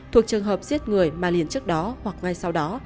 thuộc trường hợp giết người mà liền trước đó hoặc ngay sau đó